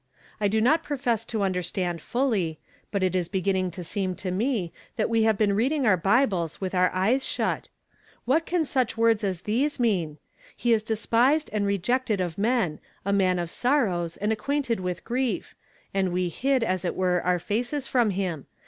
I do uoL profess •'HK HATir SKNT MK. 1»}7 to uiulei staiKl fully, but it is h'<f[nu\n(^ to seem to me that we luive Ijeeii reading our liible.s witii our eyes shut. Yhat cau such words as thfse mean? 'He is despised and rejeeted of men; a man of sorrows, and ac(juiiiute<l with grief ; and we hid, as it were, our facets from him.